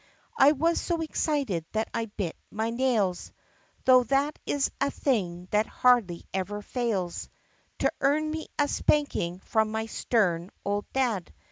I was so excited that I bit my nails ( Though that is a thing that hardly ever fails To earn me a spanking from my stern old dad).